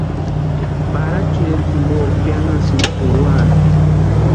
Pʼarachu ireta jimpo pianhasïnti urhuata.